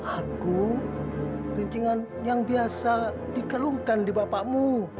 aku rincingan yang biasa dikelungkan di bapakmu